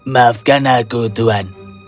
maafkan aku tuhan